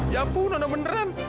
ya pun nona beneran